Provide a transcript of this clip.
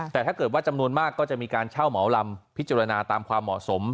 แต่ถ้าเกิดว่าจำนวนมากก็จะมีการเช่าเหมาลำพิจารณาตามความเหมาะสม